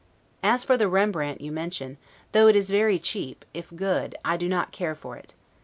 As for the Rembrandt you mention, though it is very cheap, if good, I do not care for it.